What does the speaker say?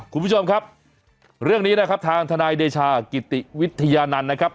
คุณผู้ชมครับเรื่องนี้นะครับทางทนายเดชากิติวิทยานันต์นะครับ